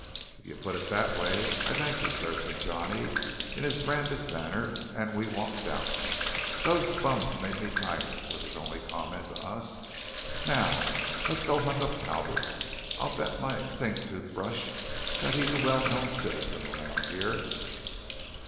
"If you put it that way, I thank you, sir," said Johnny in his grandest manner; and we walked out. "Those bums made me tired," was his only comment to us. "Now let's go hunt up Talbot. I'll bet my extinct toothbrush that he's a well known citizen around here."